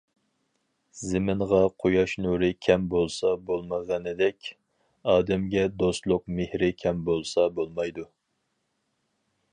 زېمىنغا قۇياش نۇرى كەم بولسا بولمىغىنىدەك، ئادەمگە دوستلۇق مېھرى كەم بولسا بولمايدۇ.